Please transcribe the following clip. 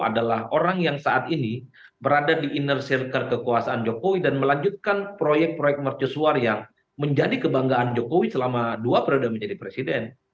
adalah orang yang saat ini berada di inner circle kekuasaan jokowi dan melanjutkan proyek proyek mercusuar yang menjadi kebanggaan jokowi selama dua periode menjadi presiden